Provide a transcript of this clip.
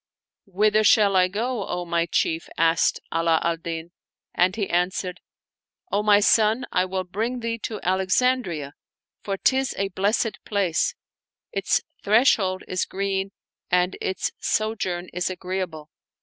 "Whither shall I go, O my chief?" asked Ala al Din; and he answered, " O my son, I will bring thee to Alex andria, for 'tis a blessed place; its threshold is green and its sojourn is agreeable."